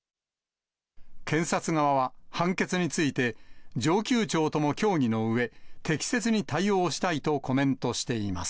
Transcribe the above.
検察側は、判決について、上級庁とも協議のうえ、適切に対応したいとコメントしています。